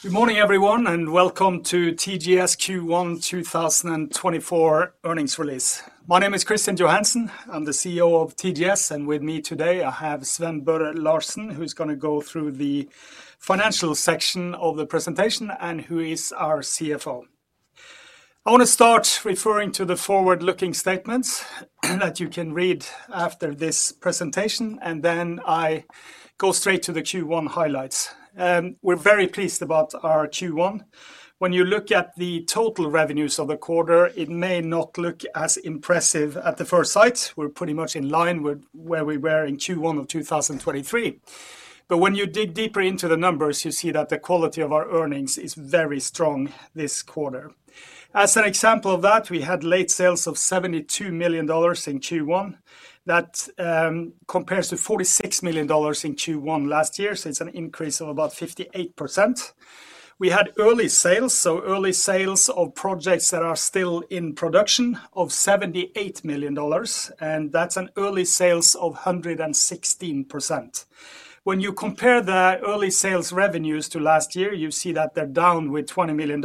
Good morning, everyone, and welcome to TGS Q1 2024 earnings release. My name is Kristian Johansen. I'm the CEO of TGS, and with me today I have Sven Børre Larsen, who's going to go through the financial section of the presentation and who is our CFO. I want to start referring to the forward-looking statements that you can read after this presentation, and then I go straight to the Q1 highlights. We're very pleased about our Q1. When you look at the total revenues of the quarter, it may not look as impressive at the first sight. We're pretty much in line with where we were in Q1 of 2023. But when you dig deeper into the numbers, you see that the quality of our earnings is very strong this quarter. As an example of that, we had late sales of $72 million in Q1. That compares to $46 million in Q1 last year, so it's an increase of about 58%. We had early sales, so early sales of projects that are still in production of $78 million, and that's an early sales of 116%. When you compare the early sales revenues to last year, you see that they're down with $20 million.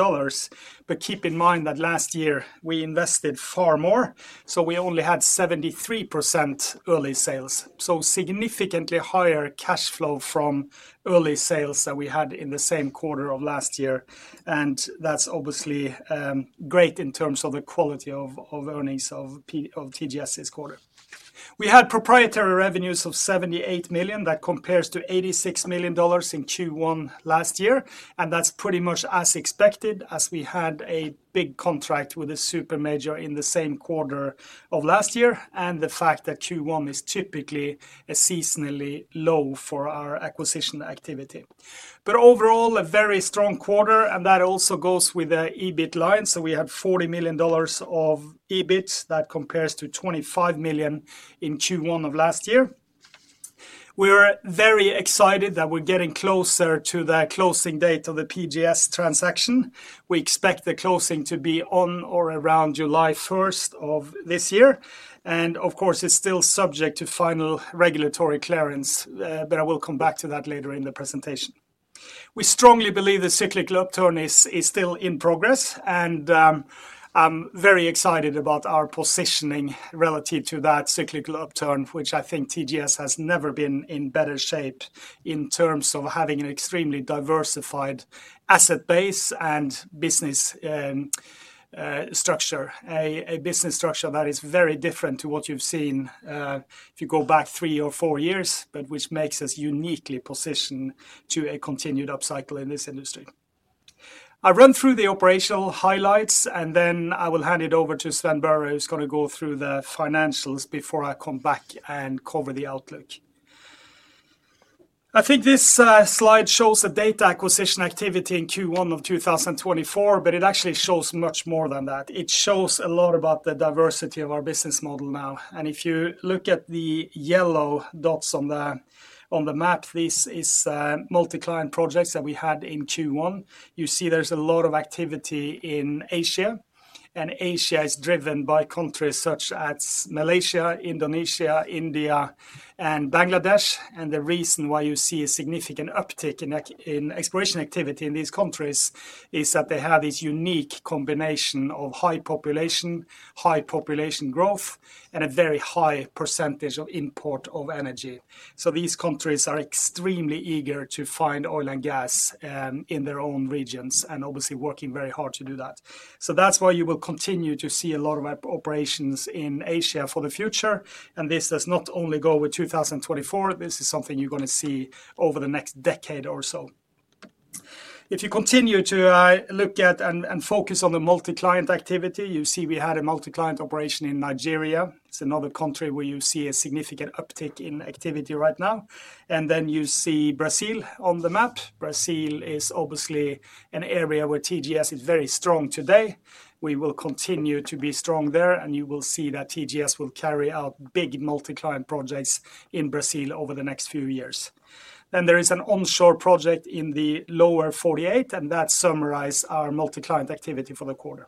But keep in mind that last year we invested far more, so we only had 73% early sales, so significantly higher cash flow from early sales that we had in the same quarter of last year. That's obviously great in terms of the quality of earnings of TGS this quarter. We had proprietary revenues of $78 million. That compares to $86 million in Q1 last year, and that's pretty much as expected, as we had a big contract with a supermajor in the same quarter of last year and the fact that Q1 is typically a seasonally low for our acquisition activity. But overall, a very strong quarter, and that also goes with the EBIT line. So we had $40 million of EBIT. That compares to $25 million in Q1 of last year. We're very excited that we're getting closer to the closing date of the PGS transaction. We expect the closing to be on or around July 1st of this year. And of course, it's still subject to final regulatory clearance, but I will come back to that later in the presentation. We strongly believe the cyclical upturn is still in progress, and I'm very excited about our positioning relative to that cyclical upturn, which I think TGS has never been in better shape in terms of having an extremely diversified asset base and business structure, a business structure that is very different to what you've seen if you go back three or four years, but which makes us uniquely positioned to a continued upcycle in this industry. I'll run through the operational highlights, and then I will hand it over to Sven Børre, who's going to go through the financials before I come back and cover the outlook. I think this slide shows the data acquisition activity in Q1 of 2024, but it actually shows much more than that. It shows a lot about the diversity of our business model now. If you look at the yellow dots on the map, these are multi-client projects that we had in Q1. You see there's a lot of activity in Asia, and Asia is driven by countries such as Malaysia, Indonesia, India, and Bangladesh. The reason why you see a significant uptick in exploration activity in these countries is that they have this unique combination of high population, high population growth, and a very high percentage of import of energy. These countries are extremely eager to find oil and gas in their own regions and obviously working very hard to do that. That's why you will continue to see a lot of operations in Asia for the future. This does not only go with 2024. This is something you're going to see over the next decade or so. If you continue to look at and focus on the multi-client activity, you see we had a multi-client operation in Nigeria. It's another country where you see a significant uptick in activity right now. And then you see Brazil on the map. Brazil is obviously an area where TGS is very strong today. We will continue to be strong there, and you will see that TGS will carry out big multi-client projects in Brazil over the next few years. Then there is an onshore project in the Lower 48, and that summarizes our multi-client activity for the quarter.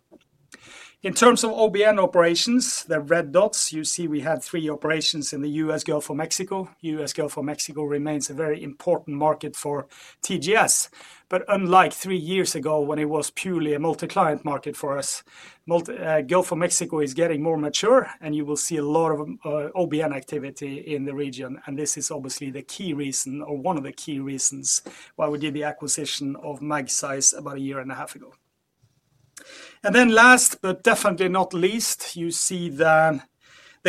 In terms of OBN operations, the red dots, you see we had three operations in the U.S., Gulf of Mexico. U.S., Gulf of Mexico remains a very important market for TGS. But unlike three years ago when it was purely a multi-client market for us, Gulf of Mexico is getting more mature, and you will see a lot of OBN activity in the region. And this is obviously the key reason or one of the key reasons why we did the acquisition of Magseis about a year and a half ago. And then last but definitely not least, you see the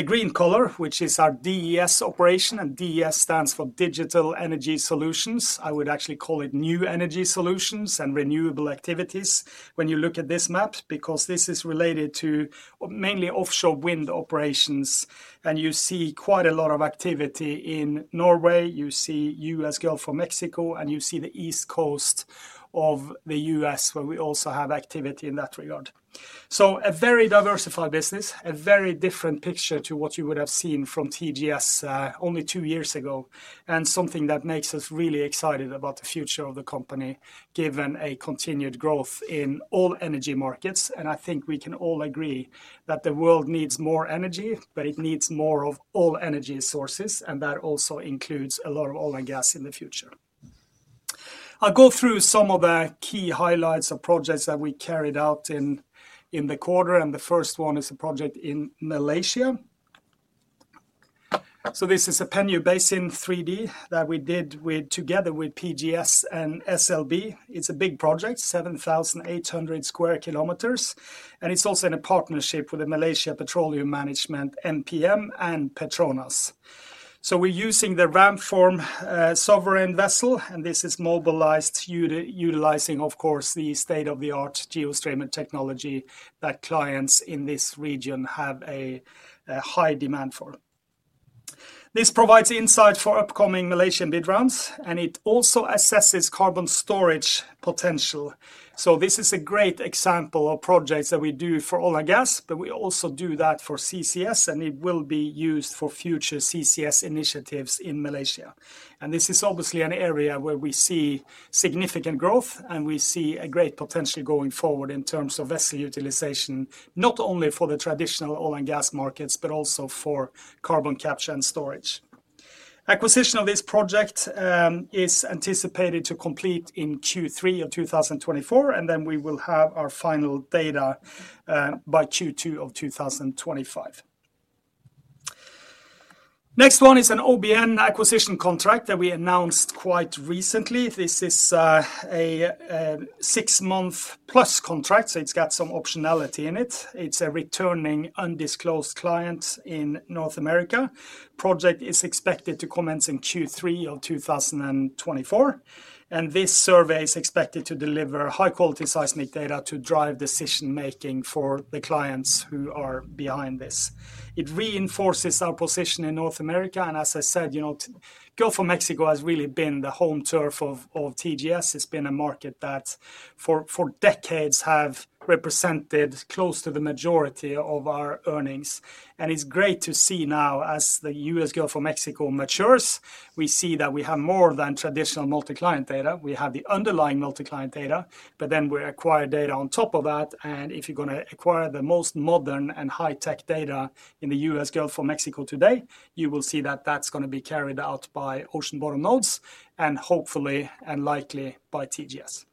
green color, which is our DES operation, and DES stands for Digital Energy Solutions. I would actually call it New Energy Solutions and Renewable Activities when you look at this map because this is related to mainly offshore wind operations. And you see quite a lot of activity in Norway. You see US Gulf of Mexico, and you see the East Coast of the U.S. where we also have activity in that regard. So a very diversified business, a very different picture to what you would have seen from TGS only two years ago, and something that makes us really excited about the future of the company given a continued growth in all energy markets. And I think we can all agree that the world needs more energy, but it needs more of all energy sources, and that also includes a lot of oil and gas in the future. I'll go through some of the key highlights of projects that we carried out in the quarter. And the first one is a project in Malaysia. So this is a Penyu Basin 3D that we did together with PGS and SLB. It's a big project, 7,800 sq km, and it's also in a partnership with the Malaysia Petroleum Management, MPM, and Petronas. So we're using the Ramform Sovereign vessel, and this is mobilized utilizing, of course, the state-of-the-art GeoStreamer technology that clients in this region have a high demand for. This provides insight for upcoming Malaysian bid rounds, and it also assesses carbon storage potential. So this is a great example of projects that we do for oil and gas, but we also do that for CCS, and it will be used for future CCS initiatives in Malaysia. And this is obviously an area where we see significant growth, and we see a great potential going forward in terms of vessel utilization, not only for the traditional oil and gas markets but also for carbon capture and storage. Acquisition of this project is anticipated to complete in Q3 of 2024, and then we will have our final data by Q2 of 2025. Next one is an OBN acquisition contract that we announced quite recently. This is a six-month-plus contract, so it's got some optionality in it. It's a returning undisclosed client in North America. The project is expected to commence in Q3 of 2024, and this survey is expected to deliver high-quality seismic data to drive decision-making for the clients who are behind this. It reinforces our position in North America. And as I said, Gulf of Mexico has really been the home turf of TGS. It's been a market that for decades has represented close to the majority of our earnings. And it's great to see now as the U.S., Gulf of Mexico matures, we see that we have more than traditional multi-client data. We have the underlying multi-client data, but then we acquire data on top of that. And if you're going to acquire the most modern and high-tech data in the U.S., Gulf of Mexico today, you will see that that's going to be carried out by ocean bottom nodes and hopefully and likely by TGS.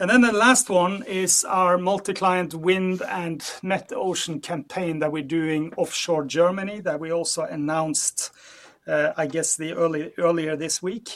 And then the last one is our multi-client wind and metocean campaign that we're doing offshore Germany that we also announced, I guess, earlier this week.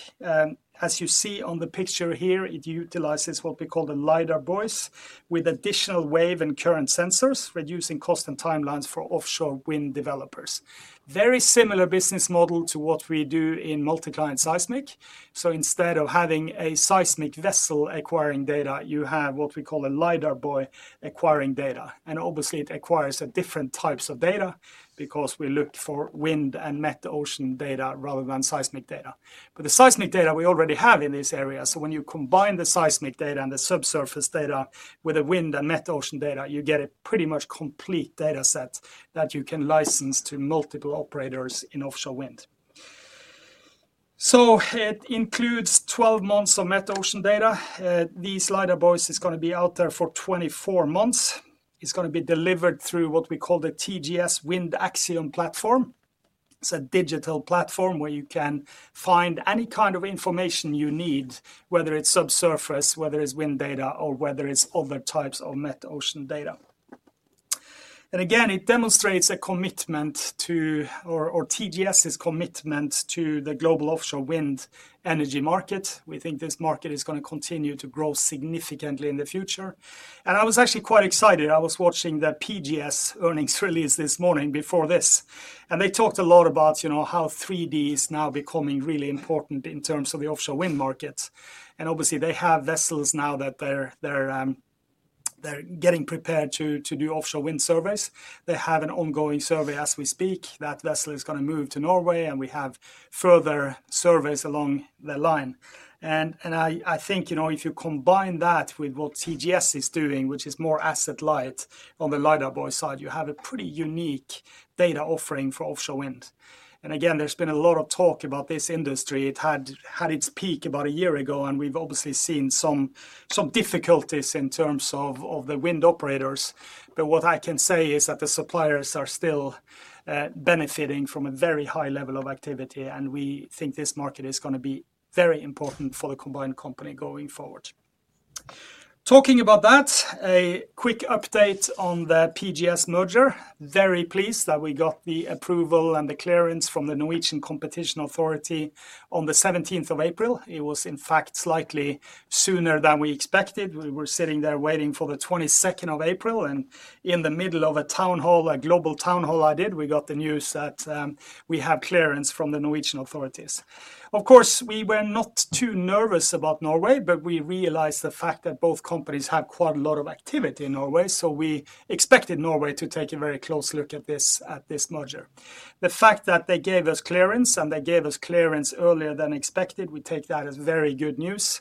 As you see on the picture here, it utilizes what we call the LiDAR buoys with additional wave and current sensors, reducing cost and timelines for offshore wind developers. Very similar business model to what we do in multi-client seismic. So instead of having a seismic vessel acquiring data, you have what we call a LiDAR buoy acquiring data. And obviously, it acquires different types of data because we look for wind and metocean data rather than seismic data. But the seismic data, we already have in this area. So when you combine the seismic data and the subsurface data with the wind and metocean data, you get a pretty much complete dataset that you can license to multiple operators in offshore wind. So it includes 12 months of metocean data. These LiDAR buoys are going to be out there for 24 months. It's going to be delivered through what we call the TGS Wind AXIOM platform. It's a digital platform where you can find any kind of information you need, whether it's subsurface, whether it's wind data, or whether it's other types of metocean data. And again, it demonstrates TGS's commitment to the global offshore wind energy market. We think this market is going to continue to grow significantly in the future. And I was actually quite excited. I was watching the PGS earnings release this morning before this, and they talked a lot about how 3D is now becoming really important in terms of the offshore wind market. Obviously, they have vessels now that they're getting prepared to do offshore wind surveys. They have an ongoing survey as we speak. That vessel is going to move to Norway, and we have further surveys along the line. I think if you combine that with what TGS is doing, which is more asset-light on the LiDAR buoy side, you have a pretty unique data offering for offshore wind. Again, there's been a lot of talk about this industry. It had its peak about a year ago, and we've obviously seen some difficulties in terms of the wind operators. But what I can say is that the suppliers are still benefiting from a very high level of activity, and we think this market is going to be very important for the combined company going forward. Talking about that, a quick update on the PGS merger. Very pleased that we got the approval and the clearance from the Norwegian Competition Authority on the April 17th. It was, in fact, slightly sooner than we expected. We were sitting there waiting for the April 22nd. And in the middle of a town hall, a global town hall I did, we got the news that we have clearance from the Norwegian authorities. Of course, we were not too nervous about Norway, but we realized the fact that both companies have quite a lot of activity in Norway, so we expected Norway to take a very close look at this merger. The fact that they gave us clearance and they gave us clearance earlier than expected, we take that as very good news.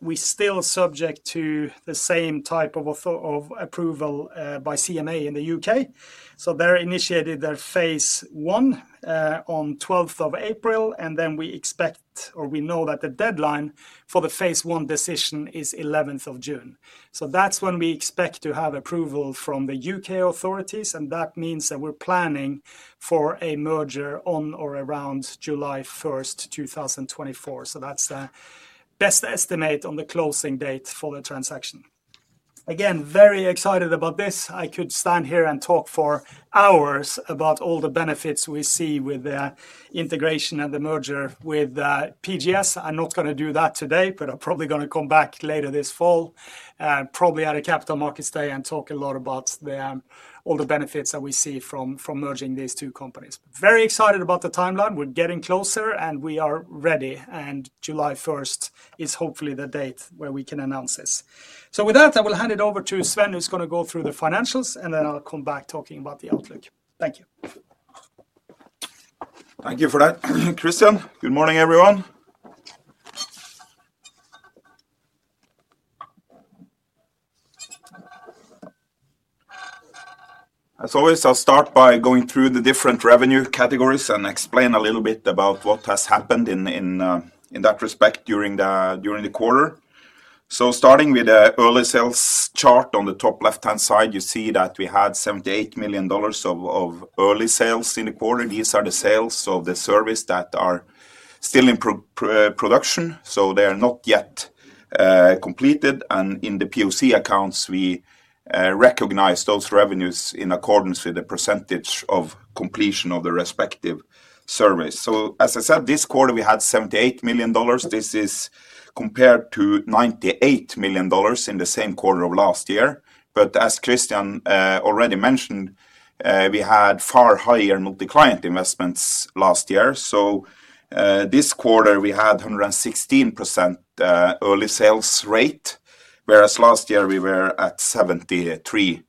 We're still subject to the same type of approval by CMA in the UK. So they initiated their phase one on the April 12th, and then we expect or we know that the deadline for the phase one decision is the June 11th. So that's when we expect to have approval from the UK authorities, and that means that we're planning for a merger on or around July 1st, 2024. So that's the best estimate on the closing date for the transaction. Again, very excited about this. I could stand here and talk for hours about all the benefits we see with the integration and the merger with PGS. I'm not going to do that today, but I'm probably going to come back later this fall, probably at a Capital Markets Day and talk a lot about all the benefits that we see from merging these two companies. Very excited about the timeline. We're getting closer, and we are ready. July 1st is hopefully the date where we can announce this. So with that, I will hand it over to Sven, who's going to go through the financials, and then I'll come back talking about the outlook. Thank you. Thank you for that, Kristian. Good morning, everyone. As always, I'll start by going through the different revenue categories and explain a little bit about what has happened in that respect during the quarter. So starting with the early sales chart on the top left-hand side, you see that we had $78 million of early sales in the quarter. These are the sales of the service that are still in production, so they are not yet completed. And in the POC accounts, we recognize those revenues in accordance with the percentage of completion of the respective service. So as I said, this quarter we had $78 million. This is compared to $98 million in the same quarter of last year. But as Kristian already mentioned, we had far higher multi-client investments last year. So this quarter we had a 116% early sales rate, whereas last year we were at 73%.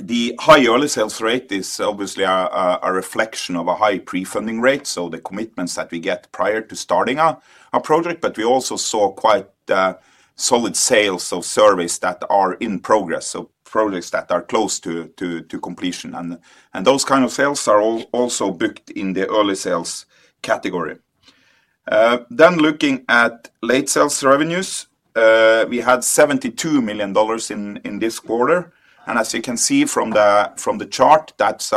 The high early sales rate is obviously a reflection of a high pre-funding rate, so the commitments that we get prior to starting a project. But we also saw quite solid sales of service that are in progress, so projects that are close to completion. And those kinds of sales are also booked in the early sales category. Then looking at late sales revenues, we had $72 million in this quarter. And as you can see from the chart, that's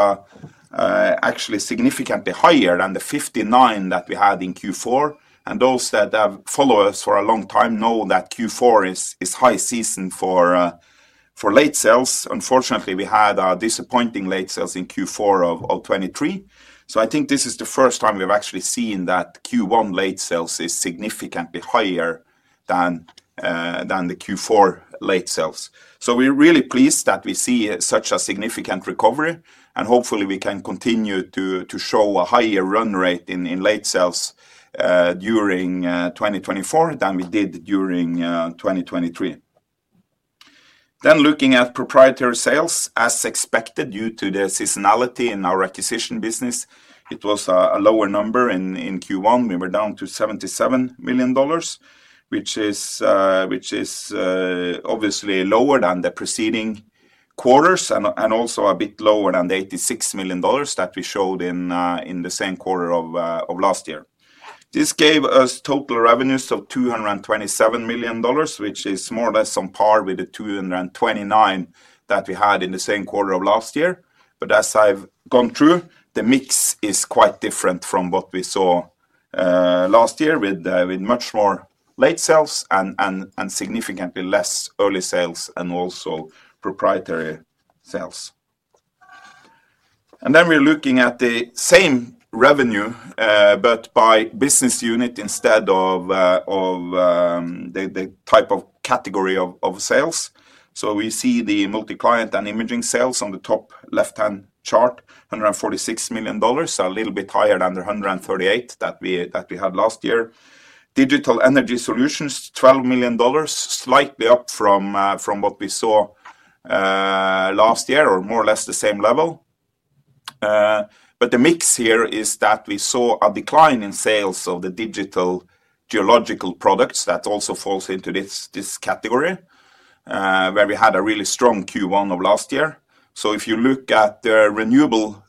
actually significantly higher than the $59 million that we had in Q4. And those that have followed us for a long time know that Q4 is high season for late sales. Unfortunately, we had disappointing late sales in Q4 of 2023. So I think this is the first time we've actually seen that Q1 late sales is significantly higher than the Q4 late sales. So we're really pleased that we see such a significant recovery, and hopefully we can continue to show a higher run rate in late sales during 2024 than we did during 2023. Looking at proprietary sales, as expected due to the seasonality in our acquisition business, it was a lower number in Q1. We were down to $77 million, which is obviously lower than the preceding quarters and also a bit lower than the $86 million that we showed in the same quarter of last year. This gave us total revenues of $227 million, which is more or less on par with the $229 that we had in the same quarter of last year. As I've gone through, the mix is quite different from what we saw last year with much more late sales and significantly less early sales and also proprietary sales. Then we're looking at the same revenue but by business unit instead of the type of category of sales. We see the multi-client and imaging sales on the top left-hand chart, $146 million, so a little bit higher than the $138 that we had last year. Digital Energy Solutions, $12 million, slightly up from what we saw last year or more or less the same level. The mix here is that we saw a decline in sales of the digital geological products that also falls into this category where we had a really strong Q1 of last year. If you look at the renewable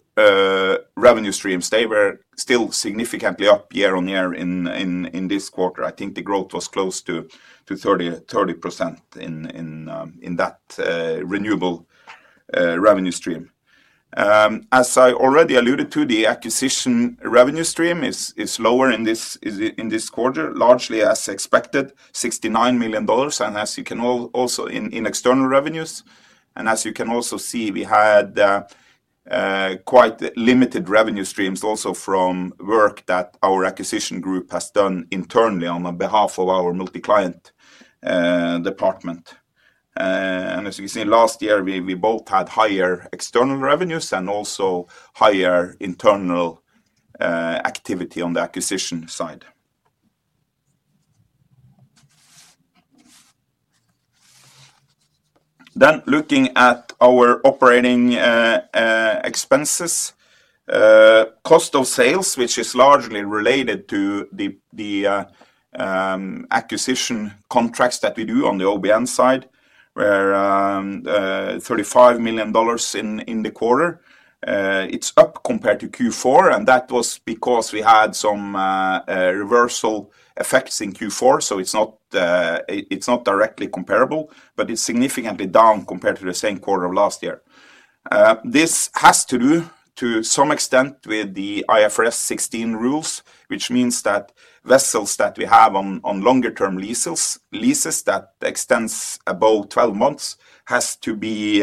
revenue streams, they were still significantly up year-on-year in this quarter. I think the growth was close to 30% in that renewable revenue stream. As I already alluded to, the acquisition revenue stream is lower in this quarter, largely as expected, $69 million, and as you can also see in external revenues. As you can also see, we had quite limited revenue streams also from work that our acquisition group has done internally on behalf of our multi-client department. As you can see, last year, we both had higher external revenues and also higher internal activity on the acquisition side. Looking at our operating expenses, cost of sales, which is largely related to the acquisition contracts that we do on the OBN side, were $35 million in the quarter. It's up compared to Q4, and that was because we had some reversal effects in Q4, so it's not directly comparable, but it's significantly down compared to the same quarter of last year. This has to do to some extent with the IFRS 16 rules, which means that vessels that we have on longer-term leases that extend above 12 months has to be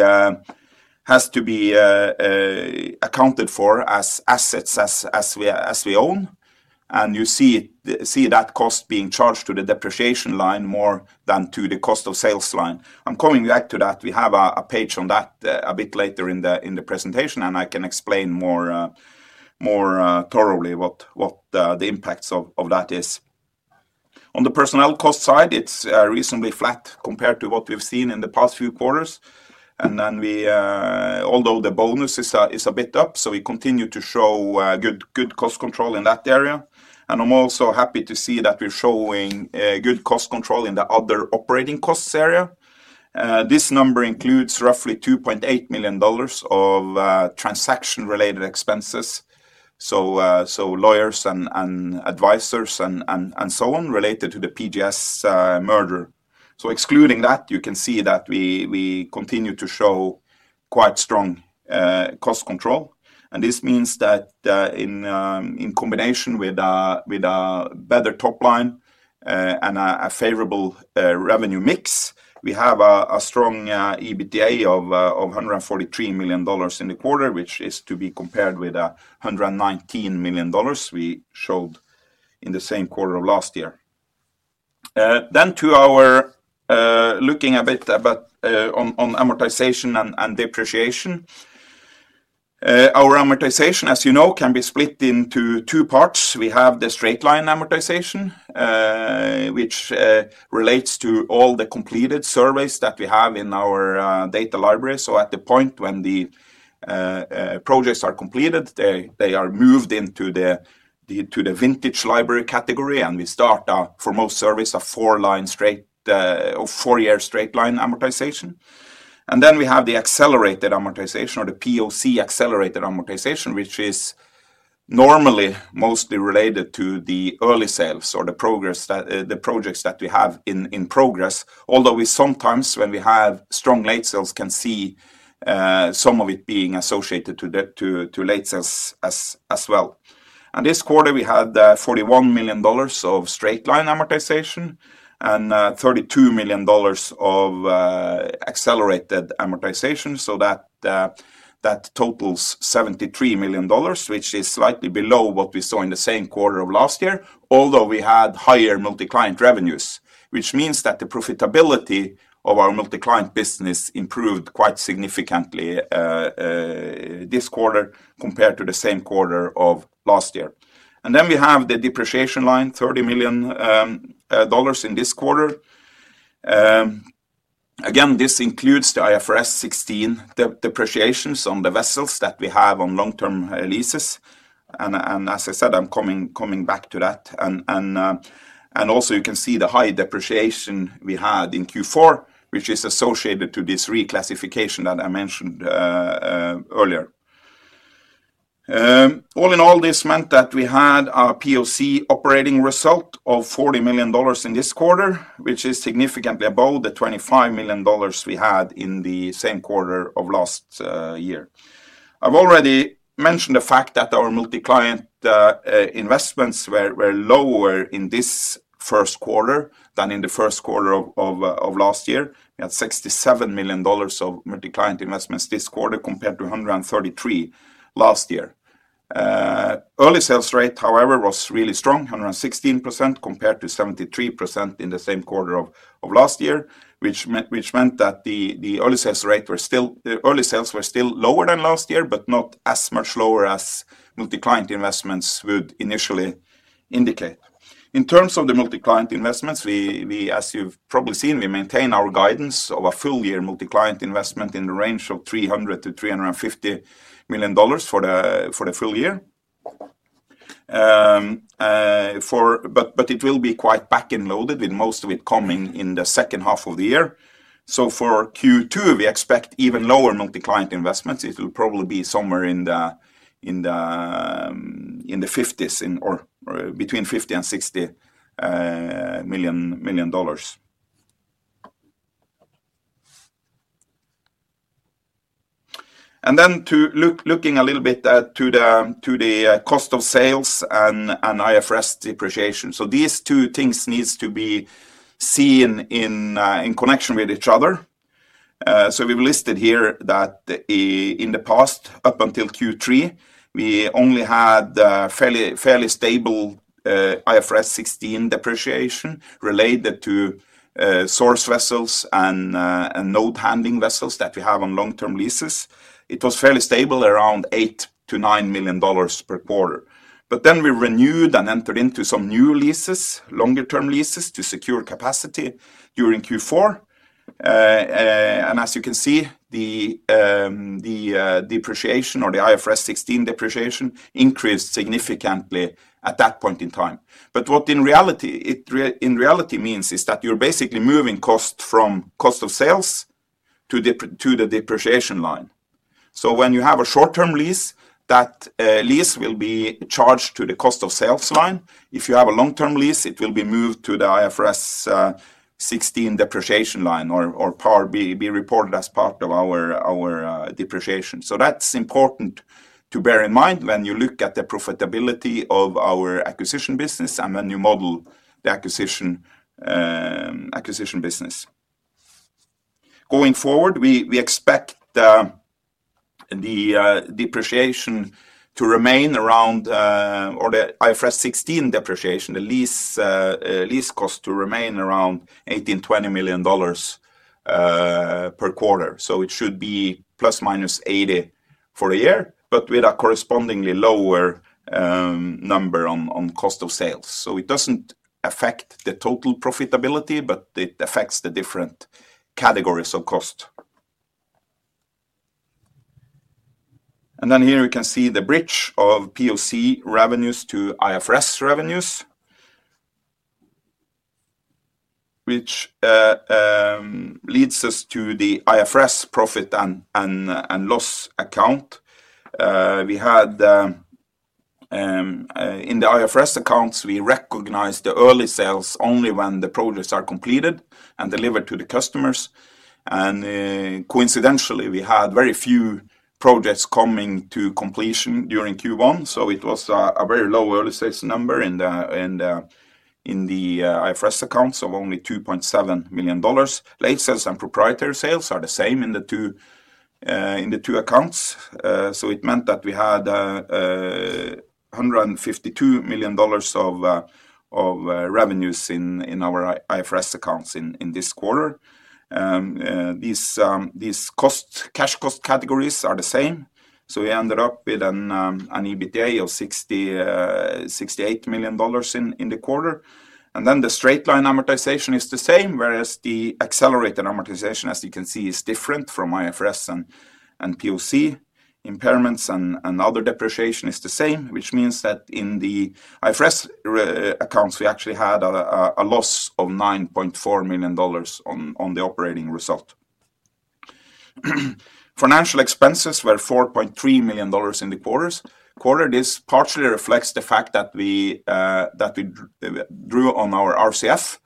accounted for as assets as we own. And you see that cost being charged to the depreciation line more than to the cost of sales line. I'm coming back to that. We have a page on that a bit later in the presentation, and I can explain more thoroughly what the impacts of that is. On the personnel cost side, it's reasonably flat compared to what we've seen in the past few quarters. And then although the bonus is a bit up, so we continue to show good cost control in that area. And I'm also happy to see that we're showing good cost control in the other operating costs area. This number includes roughly $2.8 million of transaction-related expenses, so lawyers and advisors and so on related to the PGS merger. So excluding that, you can see that we continue to show quite strong cost control. And this means that in combination with a better top line and a favorable revenue mix, we have a strong EBITDA of $143 million in the quarter, which is to be compared with $119 million we showed in the same quarter of last year. Then looking a bit on amortization and depreciation, our amortization, as you know, can be split into two parts. We have the straight-line amortization, which relates to all the completed surveys that we have in our data library. So at the point when the projects are completed, they are moved into the vintage library category, and we start, for most services, a four-year straight-line amortization. Then we have the accelerated amortization or the POC accelerated amortization, which is normally mostly related to the early sales or the projects that we have in progress, although we sometimes, when we have strong late sales, can see some of it being associated to late sales as well. And this quarter, we had $41 million of straight-line amortization and $32 million of accelerated amortization, so that totals $73 million, which is slightly below what we saw in the same quarter of last year, although we had higher multi-client revenues, which means that the profitability of our multi-client business improved quite significantly this quarter compared to the same quarter of last year. And then we have the depreciation line, $30 million in this quarter. Again, this includes the IFRS 16 depreciations on the vessels that we have on long-term leases. And as I said, I'm coming back to that. Also, you can see the high depreciation we had in Q4, which is associated to this reclassification that I mentioned earlier. All in all, this meant that we had a POC operating result of $40 million in this quarter, which is significantly above the $25 million we had in the same quarter of last year. I've already mentioned the fact that our multi-client investments were lower in this first quarter than in the first quarter of last year. We had $67 million of multi-client investments this quarter compared to $133 million last year. Early sales rate, however, was really strong, 116% compared to 73% in the same quarter of last year, which meant that the early sales rates were still lower than last year but not as much lower as multi-client investments would initially indicate. In terms of the multi-client investments, as you've probably seen, we maintain our guidance of a full-year multi-client investment in the range of $300 million-$350 million for the full year. But it will be quite back-end loaded, with most of it coming in the second half of the year. So for Q2, we expect even lower multi-client investments. It will probably be somewhere in the 50s or between $50 million-$60 million. And then looking a little bit to the cost of sales and IFRS depreciation, so these two things need to be seen in connection with each other. So we've listed here that in the past, up until Q3, we only had fairly stable IFRS 16 depreciation related to source vessels and node handling vessels that we have on long-term leases. It was fairly stable around $8 million-$9 million per quarter. Then we renewed and entered into some new leases, longer-term leases, to secure capacity during Q4. As you can see, the depreciation or the IFRS 16 depreciation increased significantly at that point in time. What in reality means is that you're basically moving costs from cost of sales to the depreciation line. When you have a short-term lease, that lease will be charged to the cost of sales line. If you have a long-term lease, it will be moved to the IFRS 16 depreciation line or be reported as part of our depreciation. That's important to bear in mind when you look at the profitability of our acquisition business and when you model the acquisition business. Going forward, we expect the depreciation to remain around or the IFRS 16 depreciation, the lease cost, to remain around $18 million-$20 million per quarter. So it should be ±80 for a year but with a correspondingly lower number on cost of sales. So it doesn't affect the total profitability, but it affects the different categories of cost. And then here you can see the bridge of POC revenues to IFRS revenues, which leads us to the IFRS profit and loss account. In the IFRS accounts, we recognize the early sales only when the projects are completed and delivered to the customers. And coincidentally, we had very few projects coming to completion during Q1, so it was a very low early sales number in the IFRS accounts of only $2.7 million. Late sales and proprietary sales are the same in the two accounts. So it meant that we had $152 million of revenues in our IFRS accounts in this quarter. These cash cost categories are the same. So we ended up with an EBITDA of $68 million in the quarter. And then the straight-line amortization is the same, whereas the accelerated amortization, as you can see, is different from IFRS and POC. Impairments and other depreciation is the same, which means that in the IFRS accounts, we actually had a loss of $9.4 million on the operating result. Financial expenses were $4.3 million in the quarter. This partially reflects the fact that we drew on our RCF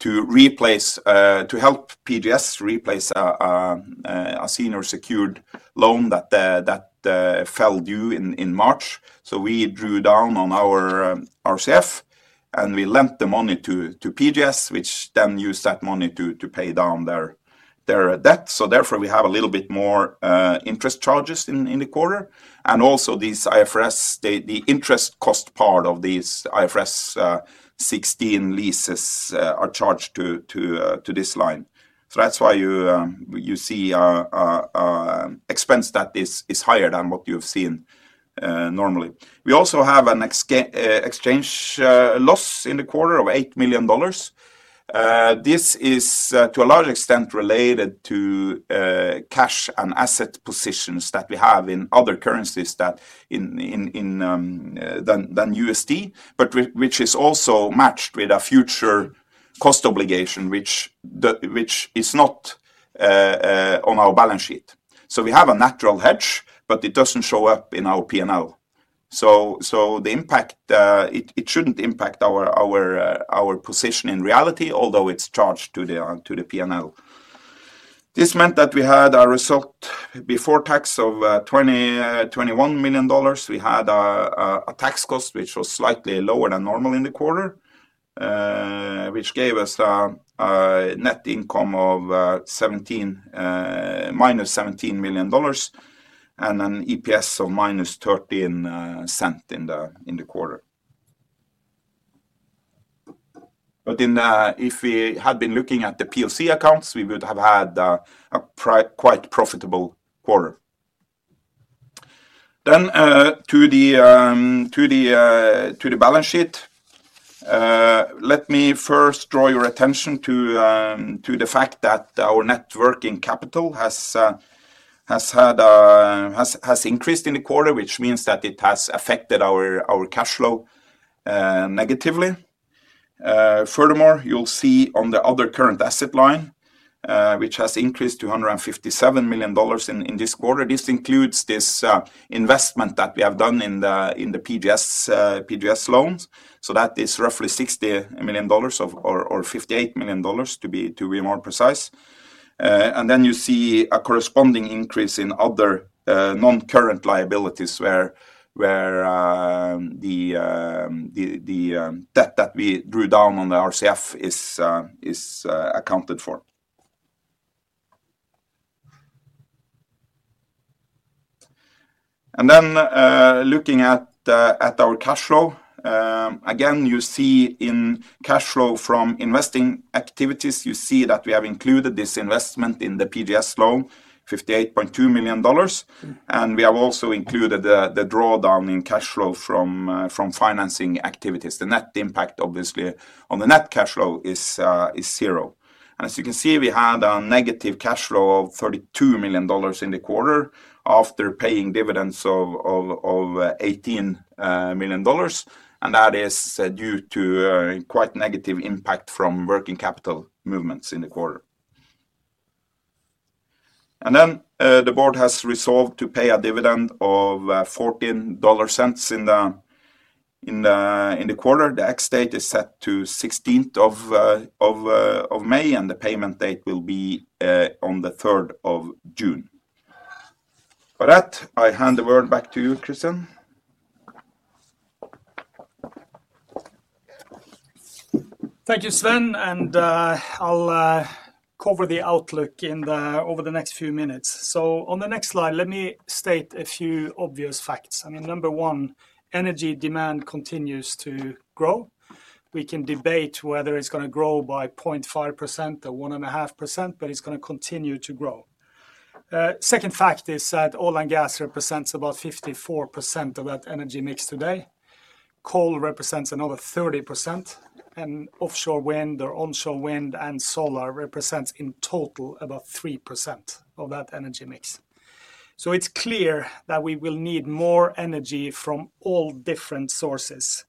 to help PGS replace a senior secured loan that fell due in March. So we drew down on our RCF, and we lent the money to PGS, which then used that money to pay down their debt. So therefore, we have a little bit more interest charges in the quarter. And also, the interest cost part of these IFRS 16 leases are charged to this line. So that's why you see an expense that is higher than what you've seen normally. We also have an exchange loss in the quarter of $8 million. This is to a large extent related to cash and asset positions that we have in other currencies than USD, which is also matched with a future cost obligation, which is not on our balance sheet. So we have a natural hedge, but it doesn't show up in our P&L. So it shouldn't impact our position in reality, although it's charged to the P&L. This meant that we had a result before tax of $21 million. We had a tax cost, which was slightly lower than normal in the quarter, which gave us a net income of -$17 million and an EPS of -$0.13 in the quarter. But if we had been looking at the POC accounts, we would have had a quite profitable quarter. Then to the balance sheet, let me first draw your attention to the fact that our net working capital has increased in the quarter, which means that it has affected our cash flow negatively. Furthermore, you'll see on the other current asset line, which has increased to $157 million in this quarter. This includes this investment that we have done in the PGS loans. So that is roughly $60 million or $58 million, to be more precise. And then you see a corresponding increase in other non-current liabilities where the debt that we drew down on the RCF is accounted for. And then looking at our cash flow, again, you see in cash flow from investing activities, you see that we have included this investment in the PGS loan, $58.2 million. We have also included the drawdown in cash flow from financing activities. The net impact, obviously, on the net cash flow is zero. As you can see, we had a negative cash flow of $32 million in the quarter after paying dividends of $18 million. That is due to quite negative impact from working capital movements in the quarter. Then the board has resolved to pay a dividend of $0.14 in the quarter. The ex-date is set to May 16th, and the payment date will be on the June 3rd. With that, I hand the word back to you, Kristian. Thank you, Sven. I'll cover the outlook over the next few minutes. On the next slide, let me state a few obvious facts. I mean, number one, energy demand continues to grow. We can debate whether it's going to grow by 0.5% or 1.5%, but it's going to continue to grow. Second fact is that oil and gas represents about 54% of that energy mix today. Coal represents another 30%. Offshore wind or onshore wind and solar represents, in total, about 3% of that energy mix. So it's clear that we will need more energy from all different sources.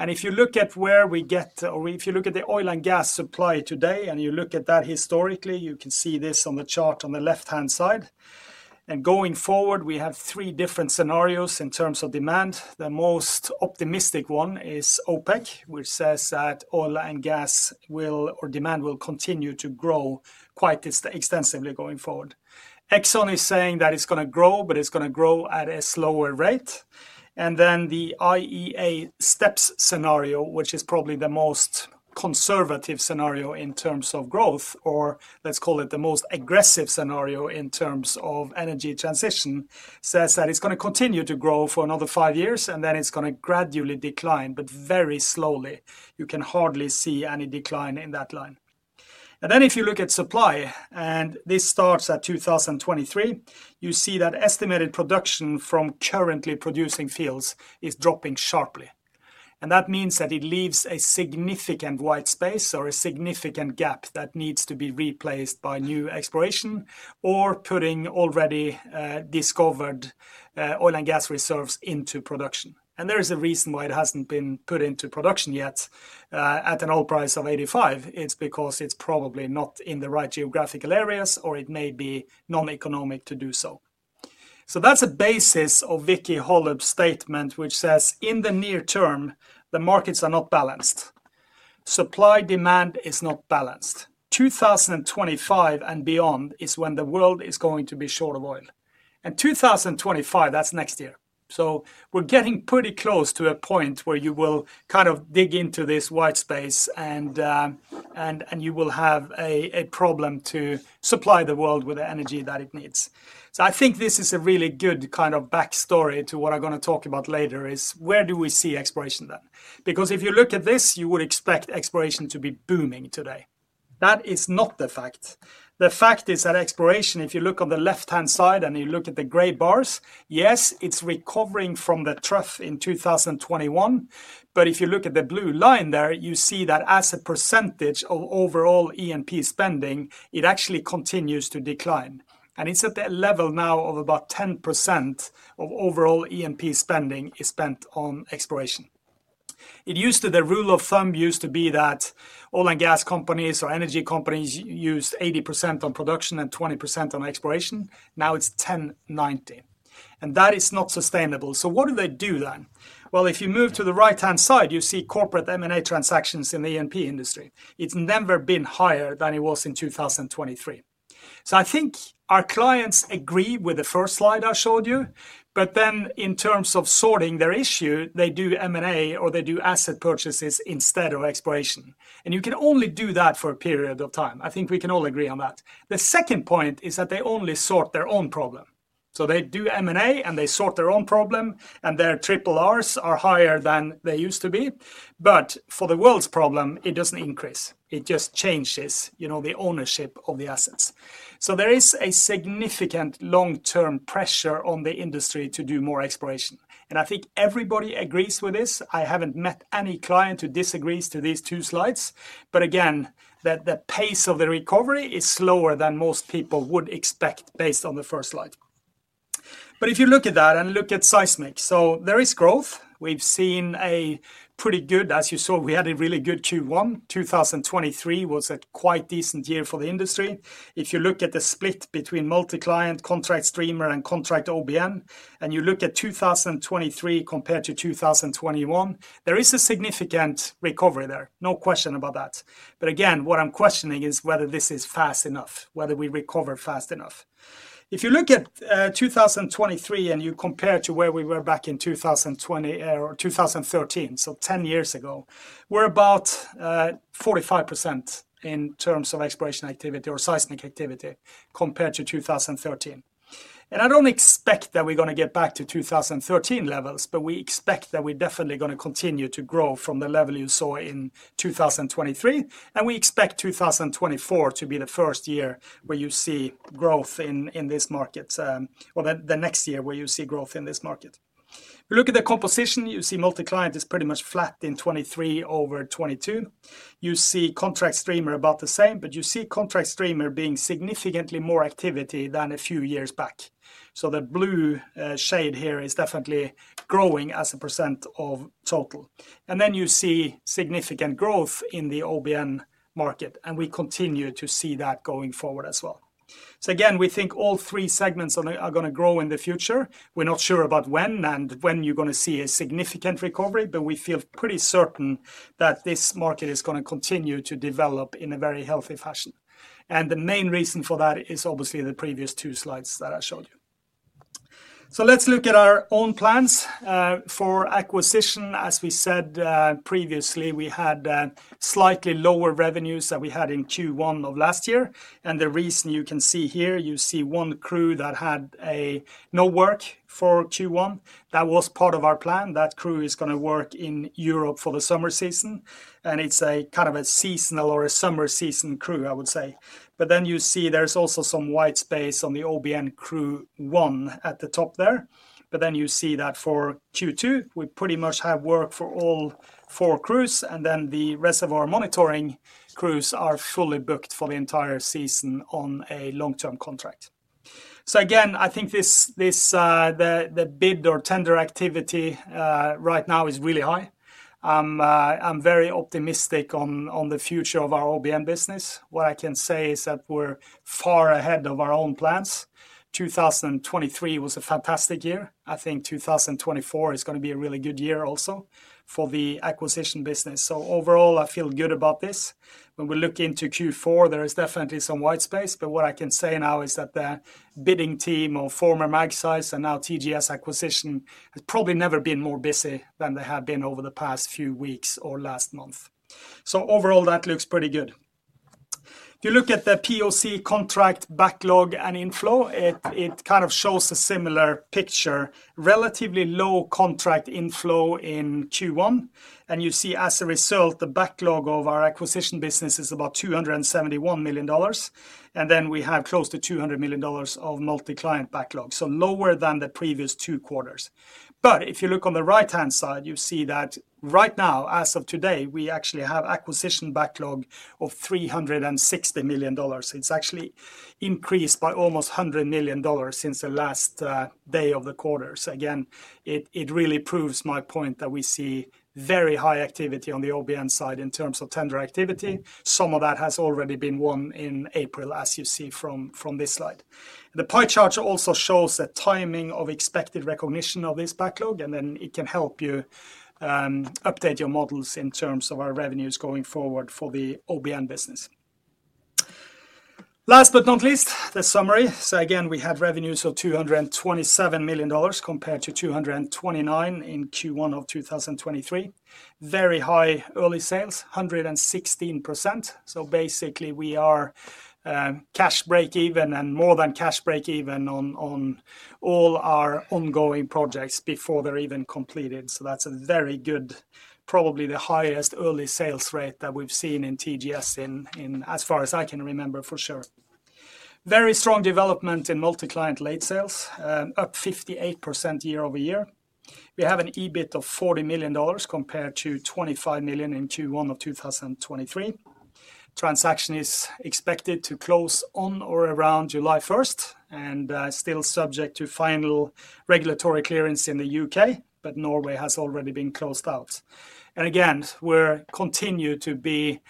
If you look at where we get or if you look at the oil and gas supply today and you look at that historically, you can see this on the chart on the left-hand side. Going forward, we have three different scenarios in terms of demand. The most optimistic one is OPEC, which says that oil and gas will or demand will continue to grow quite extensively going forward. Exxon is saying that it's going to grow, but it's going to grow at a slower rate. Then the IEA STEPS scenario, which is probably the most conservative scenario in terms of growth, or let's call it the most aggressive scenario in terms of energy transition, says that it's going to continue to grow for another five years, and then it's going to gradually decline but very slowly. You can hardly see any decline in that line. Then if you look at supply, and this starts at 2023, you see that estimated production from currently producing fields is dropping sharply. And that means that it leaves a significant white space or a significant gap that needs to be replaced by new exploration or putting already discovered oil and gas reserves into production. There is a reason why it hasn't been put into production yet at an oil price of $85. It's because it's probably not in the right geographical areas, or it may be non-economic to do so. So that's a basis of Vicki Hollub's statement, which says, "In the near term, the markets are not balanced. Supply-demand is not balanced. 2025 and beyond is when the world is going to be short of oil." And 2025, that's next year. So we're getting pretty close to a point where you will kind of dig into this white space, and you will have a problem to supply the world with the energy that it needs. So I think this is a really good kind of backstory to what I'm going to talk about later, is where do we see exploration then? Because if you look at this, you would expect exploration to be booming today. That is not the fact. The fact is that exploration, if you look on the left-hand side and you look at the gray bars, yes, it's recovering from the trough in 2021. But if you look at the blue line there, you see that as a percentage of overall E&P spending, it actually continues to decline. And it's at that level now of about 10% of overall E&P spending is spent on exploration. The rule of thumb used to be that oil and gas companies or energy companies used 80% on production and 20% on exploration. Now it's 10/90. And that is not sustainable. So what do they do then? Well, if you move to the right-hand side, you see corporate M&A transactions in the E&P industry. It's never been higher than it was in 2023. So I think our clients agree with the first slide I showed you. But then in terms of sorting their issue, they do M&A or they do asset purchases instead of exploration. And you can only do that for a period of time. I think we can all agree on that. The second point is that they only sort their own problem. So they do M&A, and they sort their own problem, and their 3Rs are higher than they used to be. But for the world's problem, it doesn't increase. It just changes the ownership of the assets. So there is a significant long-term pressure on the industry to do more exploration. And I think everybody agrees with this. I haven't met any client who disagrees to these two slides. But again, the pace of the recovery is slower than most people would expect based on the first slide. But if you look at that and look at Seismic, so there is growth. We've seen a pretty good as you saw, we had a really good Q1. 2023 was a quite decent year for the industry. If you look at the split between multi-client contract streamer and contract OBN, and you look at 2023 compared to 2021, there is a significant recovery there. No question about that. But again, what I'm questioning is whether this is fast enough, whether we recover fast enough. If you look at 2023 and you compare to where we were back in 2013, so 10 years ago, we're about 45% in terms of exploration activity or seismic activity compared to 2013. And I don't expect that we're going to get back to 2013 levels, but we expect that we're definitely going to continue to grow from the level you saw in 2023. We expect 2024 to be the first year where you see growth in this market or the next year where you see growth in this market. If you look at the composition, you see multi-client is pretty much flat in 2023 over 2022. You see contract streamer about the same, but you see contract streamer being significantly more activity than a few years back. The blue shade here is definitely growing as a percent of total. Then you see significant growth in the OBN market, and we continue to see that going forward as well. Again, we think all three segments are going to grow in the future. We're not sure about when and when you're going to see a significant recovery, but we feel pretty certain that this market is going to continue to develop in a very healthy fashion. The main reason for that is obviously the previous two slides that I showed you. So let's look at our own plans for acquisition. As we said previously, we had slightly lower revenues than we had in Q1 of last year. The reason you can see here, you see one crew that had no work for Q1. That was part of our plan. That crew is going to work in Europe for the summer season. It's kind of a seasonal or a summer season crew, I would say. Then you see there's also some white space on the OBN crew one at the top there. Then you see that for Q2, we pretty much have work for all four crews. The reservoir monitoring crews are fully booked for the entire season on a long-term contract. So again, I think the bid or tender activity right now is really high. I'm very optimistic on the future of our OBN business. What I can say is that we're far ahead of our own plans. 2023 was a fantastic year. I think 2024 is going to be a really good year also for the acquisition business. So overall, I feel good about this. When we look into Q4, there is definitely some white space. But what I can say now is that the bidding team of former Magseis and now TGS acquisition has probably never been more busy than they have been over the past few weeks or last month. So overall, that looks pretty good. If you look at the POC contract backlog and inflow, it kind of shows a similar picture. Relatively low contract inflow in Q1. You see, as a result, the backlog of our acquisition business is about $271 million. We have close to $200 million of multi-client backlog, so lower than the previous two quarters. If you look on the right-hand side, you see that right now, as of today, we actually have acquisition backlog of $360 million. It's actually increased by almost $100 million since the last day of the quarter. Again, it really proves my point that we see very high activity on the OBN side in terms of tender activity. Some of that has already been won in April, as you see from this slide. The pie chart also shows the timing of expected recognition of this backlog. It can help you update your models in terms of our revenues going forward for the OBN business. Last but not least, the summary. So again, we had revenues of $227 million compared to $229 million in Q1 of 2023. Very high early sales, 116%. So basically, we are cash break-even and more than cash break-even on all our ongoing projects before they're even completed. So that's a very good, probably the highest early sales rate that we've seen in TGS as far as I can remember for sure. Very strong development in multi-client late sales, up 58% year-over-year. We have an EBIT of $40 million compared to $25 million in Q1 of 2023. Transaction is expected to close on or around July 1st and still subject to final regulatory clearance in the U.K., but Norway has already been closed out. And again, we continue to be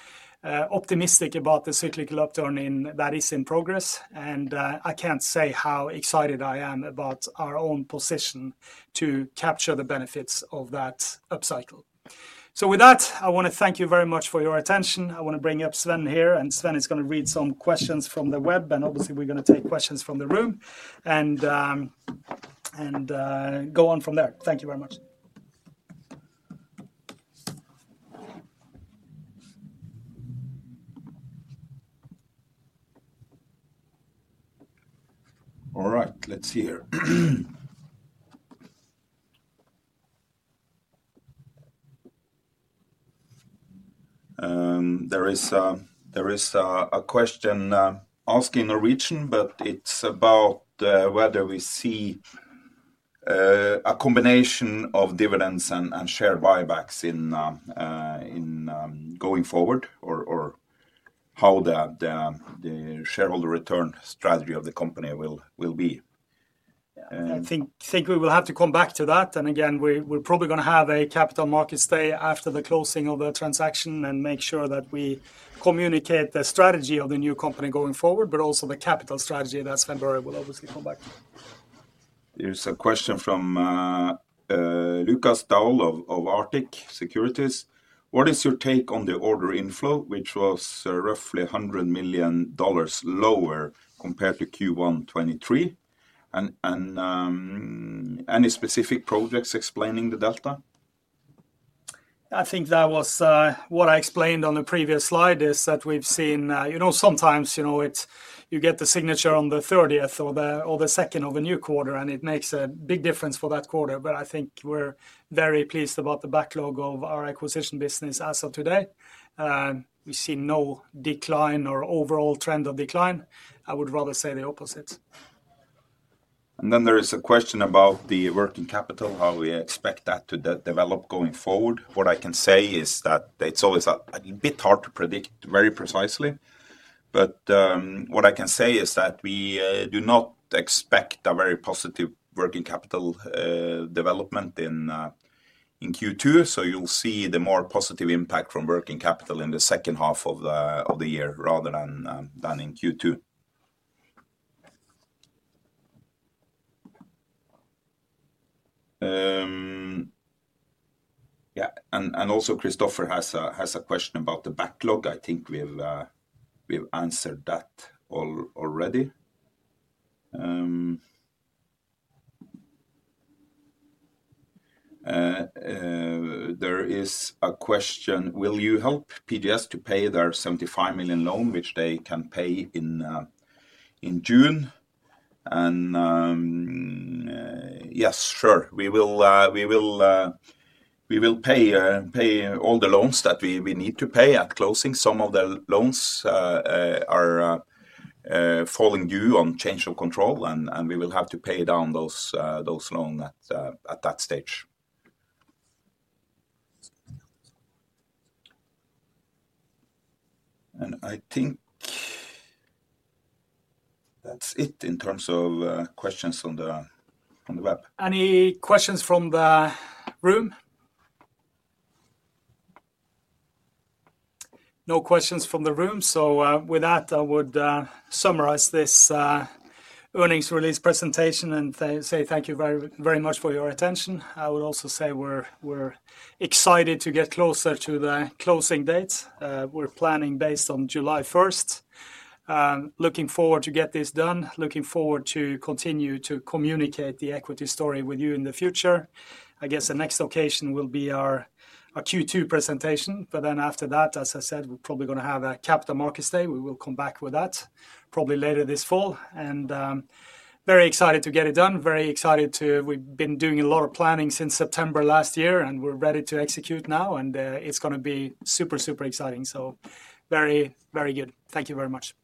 optimistic about the cyclical upturn that is in progress. I can't say how excited I am about our own position to capture the benefits of that upcycle. So with that, I want to thank you very much for your attention. I want to bring up Sven here. Sven is going to read some questions from the web. Obviously, we're going to take questions from the room and go on from there. Thank you very much. All right. Let's see here. There is a question asked in Norwegian, but it's about whether we see a combination of dividends and share buybacks going forward or how the shareholder return strategy of the company will be. Yeah. I think we will have to come back to that. And again, we're probably going to have a capital markets day after the closing of the transaction and make sure that we communicate the strategy of the new company going forward, but also the capital strategy that Sven Børre will obviously come back to. There's a question from Lukas Daul of Arctic Securities. What is your take on the order inflow, which was roughly $100 million lower compared to Q1 2023? And any specific projects explaining the delta? I think that was what I explained on the previous slide, is that we've seen sometimes you get the signature on the 30th or the 2nd of a new quarter, and it makes a big difference for that quarter. But I think we're very pleased about the backlog of our acquisition business as of today. We see no decline or overall trend of decline. I would rather say the opposite. And then there is a question about the working capital, how we expect that to develop going forward. What I can say is that it's always a bit hard to predict very precisely. But what I can say is that we do not expect a very positive working capital development in Q2. So you'll see the more positive impact from working capital in the second half of the year rather than in Q2. Yeah. And also, Christopher has a question about the backlog. I think we've answered that already. There is a question. Will you help PGS to pay their $75 million loan, which they can pay in June? And yes, sure. We will pay all the loans that we need to pay at closing. Some of the loans are falling due on change of control. And we will have to pay down those loans at that stage. I think that's it in terms of questions on the web. Any questions from the room? No questions from the room. So with that, I would summarize this earnings release presentation and say thank you very much for your attention. I would also say we're excited to get closer to the closing dates. We're planning based on July 1st. Looking forward to get this done. Looking forward to continue to communicate the equity story with you in the future. I guess the next occasion will be our Q2 presentation. But then after that, as I said, we're probably going to have a capital markets day. We will come back with that, probably later this fall. And very excited to get it done. Very excited to we've been doing a lot of planning since September last year, and we're ready to execute now. And it's going to be super, super exciting. So very, very good. Thank you very much.